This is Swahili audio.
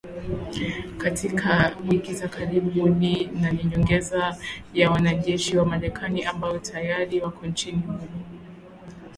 katika wiki za karibuni na ni nyongeza ya wanajeshi wa Marekani ambao tayari wako nchini humo